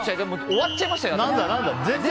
終わっちゃいましたよ！